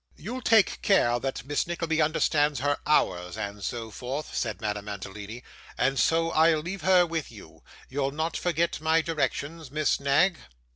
'You'll take care that Miss Nickleby understands her hours, and so forth,' said Madame Mantalini; 'and so I'll leave her with you. You'll not forget my directions, Miss Knag?